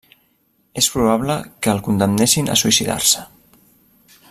És probable que el condemnessin a suïcidar-se.